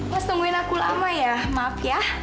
mas tungguin aku lama ya maaf ya